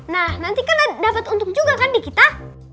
nah nanti kan dapat untung juga kan di kita